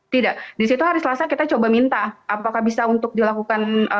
tidak disitu hari selasa kita coba minta apakah bisa untuk dilakukan